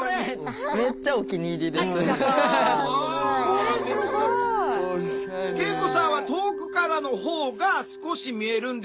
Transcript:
これすごい！圭永子さんは遠くからのほうが少し見えるんですよね。